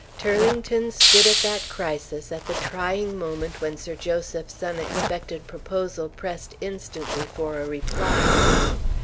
Turlington stood at that crisis, at the trying moment when Sir Joseph's unexpected proposal pressed instantly for a reply.